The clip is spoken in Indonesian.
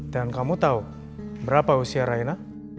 dan kamu tahu berapa usia raina